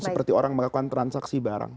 seperti orang melakukan transaksi barang